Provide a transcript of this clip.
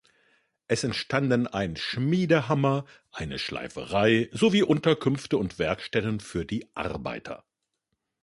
Es entstanden ein Schmiedehammer, eine Schleiferei sowie Unterkünfte und Werkstätten für die Arbeiter.